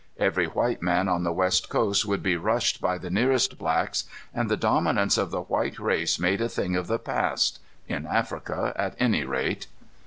Every white man on the West Coast would be rushed by the nearest blacks, and the dominance of the white race made a thing of the past, in Africa any rate.